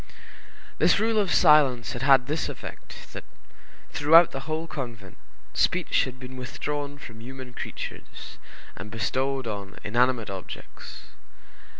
This rule of silence had had this effect, that throughout the whole convent, speech had been withdrawn from human creatures, and bestowed on inanimate objects.